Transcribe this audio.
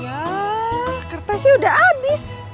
ya kertasnya udah abis